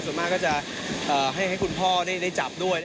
ส่วนมากก็จะให้คุณพ่อได้จับด้วย